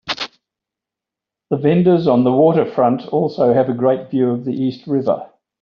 The vendors on the waterfront also have a great view of the East River.